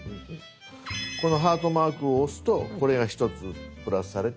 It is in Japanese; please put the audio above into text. このハートマークを押すとこれが１つプラスされて。